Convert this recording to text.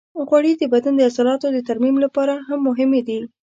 غوړې د بدن د عضلاتو د ترمیم لپاره هم مهمې دي.